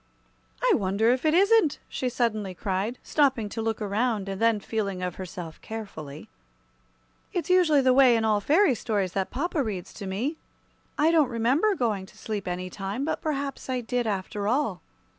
"I wonder if it isn't!" she suddenly cried, stopping to look around, and then feeling of herself carefully. "It's usually the way in all the fairy stories that papa reads to me. I don't remember going to sleep any time; but perhaps I did, after all."